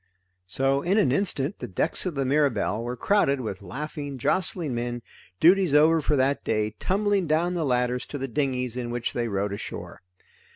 So in an instant the decks of the Mirabelle were crowded with laughing jostling men, duties over for that day, tumbling down the ladders to the dinghies in which they rowed ashore.